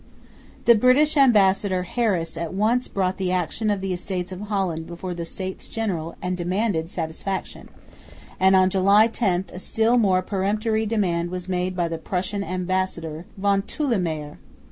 The British ambassador, Harris, at once brought the action of the Estates of Holland before the States General and demanded satisfaction; and on July 10 a still more peremptory demand was made by the Prussian ambassador, von Thulemeyer.